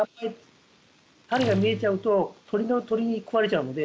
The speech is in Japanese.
種が見えちゃうと鳥に食われちゃうので。